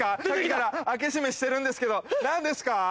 さっきから開け閉めしてるんですけど何ですか？